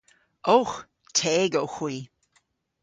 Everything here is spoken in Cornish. Owgh. Teg owgh hwi.